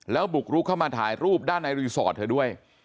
แล้วบุกรุกเข้ามาถ่ายรูปด้านในรีสอร์ทเธอด้วย